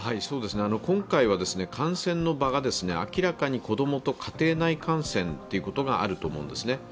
今回は感染の場が明らかに子供と家庭内感染にあると思うんですね。